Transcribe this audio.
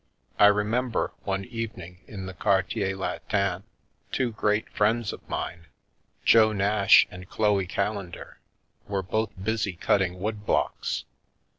I remember one evening, in the Quartier Latin, two great friends of mine, Jo Nash and Chloe Callendar, were both busy cutting wood blocks.